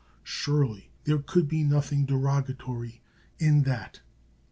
Surely there could be nothing derogatory in that.